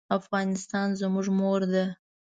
افغانستان زموږ مور ده.